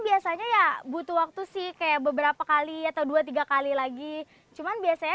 biasanya ya butuh waktu sih kayak beberapa kali atau dua tiga kali lagi cuman biasanya